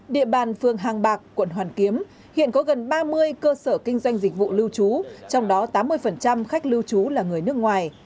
địa bàn phường hàng bạc quận hoàn kiếm hiện có gần ba mươi cơ sở kinh doanh dịch vụ lưu trú trong đó tám mươi khách lưu trú là người nước ngoài